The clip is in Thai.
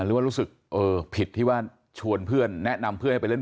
หรือว่ารู้สึกเออผิดที่ว่าชวนเพื่อนแนะนำเพื่อนไปเล่น